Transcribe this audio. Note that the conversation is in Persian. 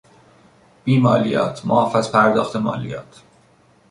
بیمالیات، معاف از پرداخت مالیات